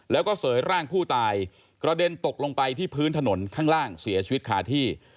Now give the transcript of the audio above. แล้วก็เสยร่างผู้ตายกระเด็นตกลงไปที่พื้นถนนข้างล่างเสียชีวิตคาที่